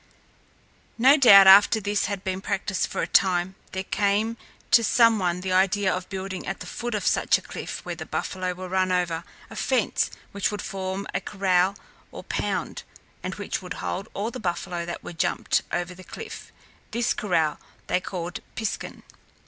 No doubt after this had been practised for a time, there came to some one the idea of building at the foot of such a cliff where the buffalo were run over, a fence which would form a corral or pound, and which would hold all the buffalo that were jumped over the cliff. This corral they called piskun.